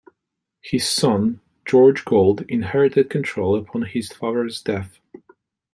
His son George Gould inherited control upon his father's death.